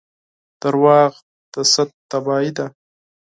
• دروغ د عقل تباهي ده.